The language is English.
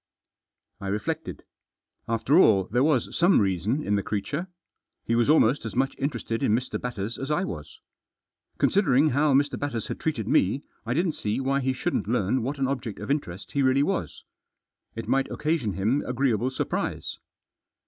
I reflected. After all there was some reason in the creature. He was almost as much interested in Mr. Batters as I was. Considering how Mr. Batters had treated me I didn't see why he shouldn't learn what an object of interest he really was. It might occasion him agreeable surprise.